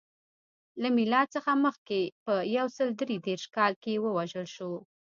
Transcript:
له میلاد څخه مخکې په یو سل درې دېرش کال کې ووژل شو.